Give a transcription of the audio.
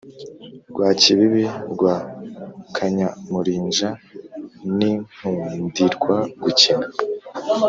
Rwakibibi rwa Kanyamurinja n’ Inkundirwa-gukina